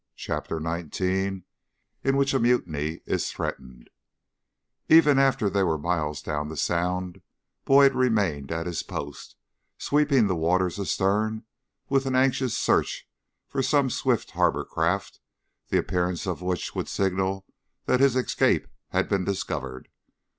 CHAPTER XIX IN WHICH A MUTINY IS THREATENED Even after they were miles down the Sound, Boyd remained at his post, sweeping the waters astern in an anxious search for some swift harbor craft, the appearance of which would signal that his escape had been discovered.